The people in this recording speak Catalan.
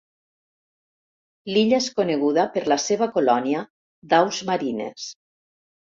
L'illa és coneguda per la seva colònia d'aus marines.